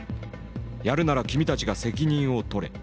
「やるなら君たちが責任を取れ。